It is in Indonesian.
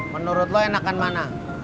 menurut lo enakan mana